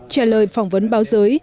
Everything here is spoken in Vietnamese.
trả lời phỏng vấn báo giới